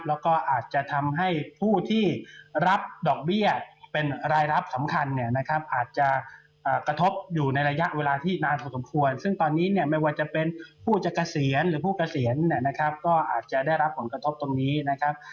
แล้วก็อาจจะทำให้ผู้ที่รับดอกเบี้ยเป็นรายรับสำคัญเนี่ยนะครับอาจจะกระทบอยู่ในระยะเวลาที่นานพอสมควรซึ่งตอนนี้เนี่ยไม่ว่าจะเป็นผู้จะเกษียณหรือผู้เกษียณเนี่ยนะครับก็อาจจะได้รับผลกระทบตรงนี้นะครับ